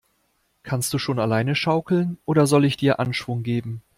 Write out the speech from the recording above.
Kannst du schon alleine schaukeln, oder soll ich dir Anschwung geben?